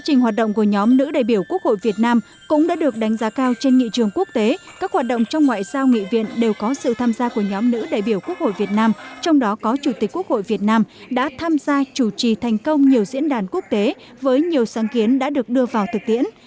đoàn chủ tịch hội liên hiệp phụ nữ việt nam cũng đã được đánh giá cao trên nghị trường quốc tế các hoạt động trong ngoại giao nghị viện đều có sự tham gia của nhóm nữ đại biểu quốc hội việt nam trong đó có chủ tịch quốc hội việt nam đã tham gia chủ trì thành công nhiều diễn đàn quốc tế với nhiều sáng kiến đã được đưa vào thực tiễn